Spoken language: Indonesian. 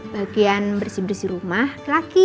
bagian bersih bersih rumah laki laki